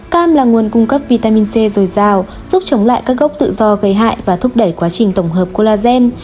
cam là nguồn cung cấp vitamin c dồi dào giúp chống lại các gốc tự do gây hại và thúc đẩy quá trình tổng hợp collagen